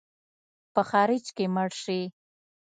په خارج کې مړ سې.